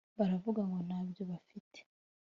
baravuga ngo ntabyo bafite